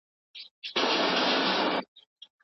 د دوی شروط زموږ د معيارونو سره برابر نه دي.